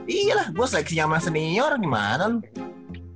iya lah gue seleksi sama senior gimana lu